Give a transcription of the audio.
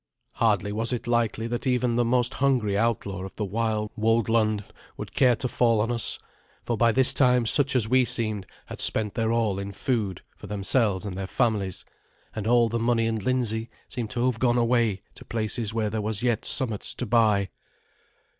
Hardly was it likely that even the most hungry outlaw of the wild woldland would care to fall on us; for by this time such as we seemed had spent their all in food for themselves and their families, and all the money in Lindsey seemed to have gone away to places where there was yet somewhat to buy.